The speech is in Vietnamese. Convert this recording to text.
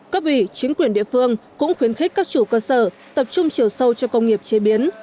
cấp ủy chính quyền địa phương cũng khuyến khích các chủ cơ sở tập trung chiều sâu cho công nghiệp chế biến